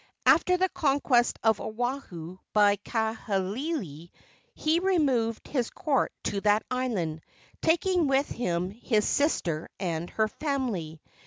After the conquest of Oahu by Kahekili he removed his court to that island, taking with him his sister and her family.